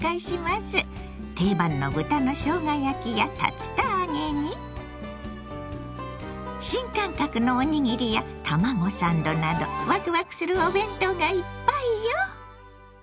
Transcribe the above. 定番の豚のしょうが焼きや竜田揚げに新感覚のおにぎりや卵サンドなどわくわくするお弁当がいっぱいよ！